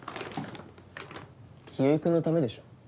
清居君のためでしょ？